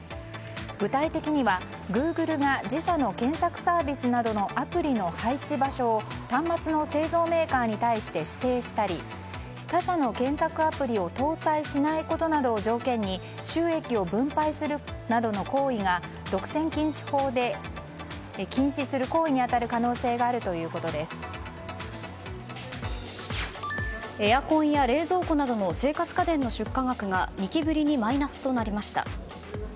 具体的には、グーグルが自社の検索サービスなどのアプリの配置場所を端末の製造メーカーに対して指定したり他社の検索アプリを搭載しないことなどを条件に収益を分配するなどの行為が独占禁止法で禁止する行為に当たる可能性があるエアコンや冷蔵庫などの生活家電の出荷額が２期ぶりにマイナスとなりました。